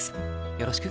よろしく。